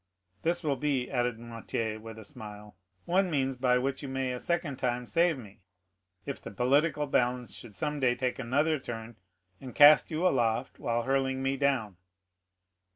This will be," added Noirtier, with a smile, "one means by which you may a second time save me, if the political balance should some day take another turn, and cast you aloft while hurling me down.